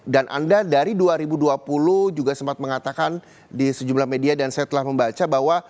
dan anda dari dua ribu dua puluh juga sempat mengatakan di sejumlah media dan saya telah membaca bahwa